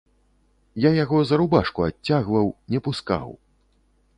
Я яго за рубашку адцягваў, не пускаў.